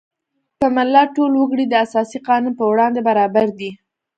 د ملت ټول وګړي د اساسي قانون په وړاندې برابر دي.